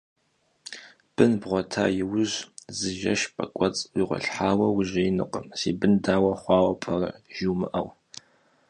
Бын бгъуэта иужь, зы жэщ пӏэкӏуэцӏ уигъуалъхьэу ужеинукъым, си бын дау хъуауэ пӏэрэ жумыӏэу.